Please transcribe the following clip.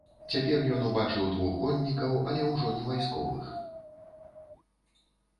Цяпер ён убачыў двух коннікаў, але ўжо не вайсковых.